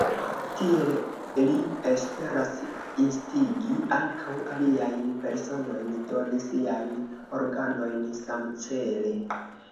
Tiel li esperas instigi ankaŭ aliajn personojn doni siajn organojn samcele.